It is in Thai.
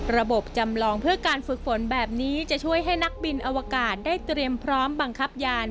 ระบบจำลองเพื่อการฝึกฝนแบบนี้จะช่วยให้นักบินอวกาศได้เตรียมพร้อมบังคับยาน